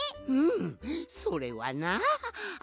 うんそれはな。